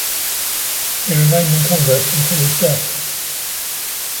He remained in Congress until his death.